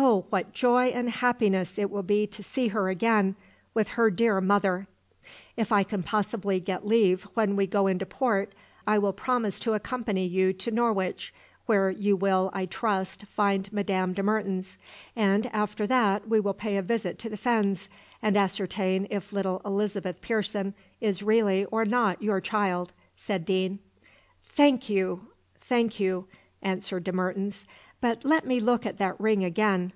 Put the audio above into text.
Oh, what joy and happiness it will be to see her again with her dear mother." "If I can possibly get leave when we go into port, I will promise to accompany you to Norwich, where you will, I trust, find Madame de Mertens; and after that we will pay a visit to the fens and ascertain if little Elizabeth Pearson is really or not your child," said Deane. "Thank you, thank you!" answered De Mertens. "But let me look at that ring again.